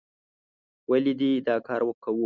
ولې دې دا کار کوو؟